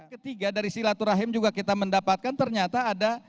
ketiga dari silaturahim juga kita mendapatkan ternyata ada